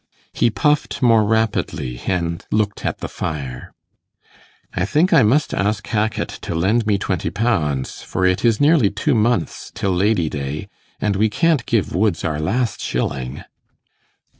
He puffed more rapidly, and looked at the fire. 'I think I must ask Hackit to lend me twenty pounds, for it is nearly two months till Lady day, and we can't give Woods our last shilling.